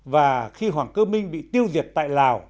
và khi hoàng cơ minh bị tiêu diệt tại lào